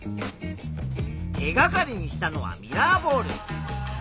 手がかりにしたのはミラーボール。